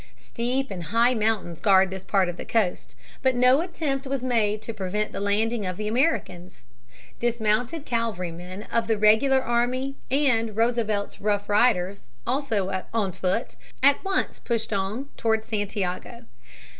Steep and high mountains guard this part of the coast. But no attempt was made to prevent the landing of the Americans. Dismounted cavalrymen of the regular army and Roosevelt's Rough Riders, also on foot, at once pushed on toward Santiago.